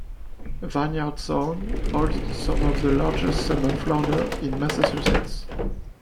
Vineyard Sound holds some of the largest summer flounder in Massachusetts.